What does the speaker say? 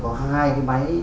một cái máy chạy điện thoại